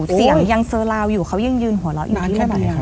เสียงยังเซอราวอยู่เขายังยืนหัวเราะ